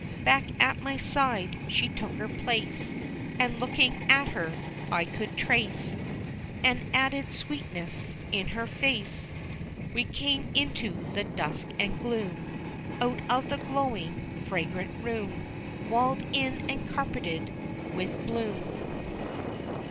Back at my side she took her place, And looking at her, I could trace An added sweetness in her face. We came into the dusk and gloom, Out of the glowing fragrant room, Walled in and carpeted with bloom.